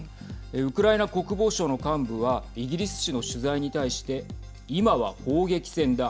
ウクライナ国防省の幹部はイギリス紙の取材に対して今は砲撃戦だ。